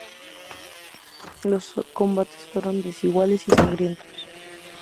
Los combates fueron desiguales y sangrientos.